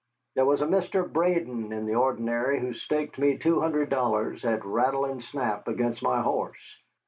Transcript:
There was a Mr. Braiden in the ordinary who staked me two hundred dollars at rattle and snap against my horse.